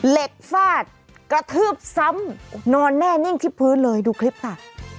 ฟาดกระทืบซ้ำนอนแน่นิ่งที่พื้นเลยดูคลิปค่ะ